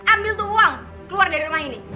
ambil tuh uang keluar dari rumah ini